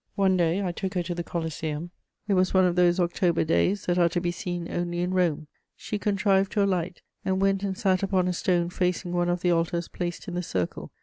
One day I took her to the Coliseum: it was one of those October days that are to be seen only in Rome. She contrived to alight, and went and sat upon a stone facing one of the altars placed in the circle.